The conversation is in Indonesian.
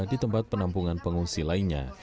di tempat penampungan pengungsi lainnya